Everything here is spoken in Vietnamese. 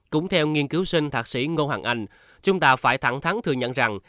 cũng theo nghiên cứu sinh thạc sĩ ngô hoàng anh chúng ta phải thẳng thắng thừa nhận rằng